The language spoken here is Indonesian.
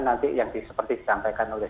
nanti yang seperti disampaikan oleh